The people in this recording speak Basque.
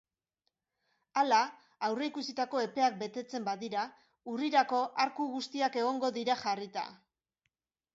Hala, aurreikusitako epeak betetzen badira, urrirako arku guztiak egongo dira jarrita.